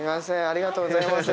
ありがとうございます。